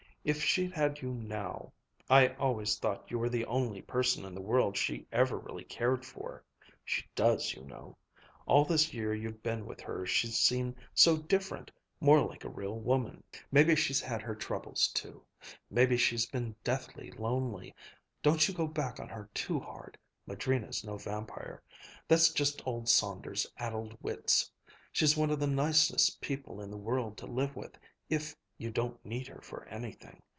If she'd had you, now I always thought you were the only person in the world she ever really cared for. She does, you know. All this year you've been with her, she's seemed so different, more like a real woman. Maybe she's had her troubles too. Maybe she's been deathly lonely. Don't you go back on her too hard. Madrina's no vampire. That's just old Saunders' addled wits. She's one of the nicest people in the world to live with, if you don't need her for anything.